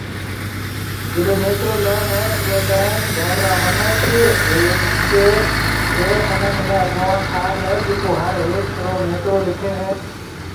جڏي نيترو لي هي اوئي ٽيم گھر را منک هيڪي اهڙي منک ني اگووڻ ٺاهي هي جڪو هر هيڪ رو نيترو لکاوي هي